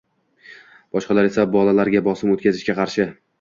boshqalar esa bolalarga bosim o‘tkazishga qarshi